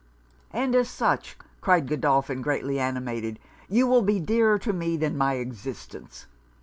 'And as such,' cried Godolphin, greatly animated, 'you will be dearer to me than my existence!